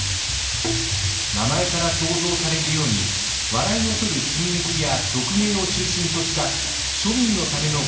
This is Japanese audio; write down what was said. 名前から想像されるように笑いをとる寸劇や曲芸を中心とした庶民のための娯楽だったのです。